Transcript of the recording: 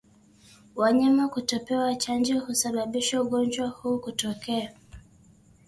Wanyama kutokupewa chanjo husababisha ugonjwa huu kutokea